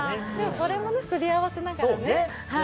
それもすり合わせながらね。